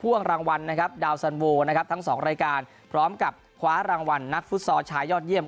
วงรางวัลนะครับดาวสันโวนะครับทั้งสองรายการพร้อมกับคว้ารางวัลนักฟุตซอลชายยอดเยี่ยม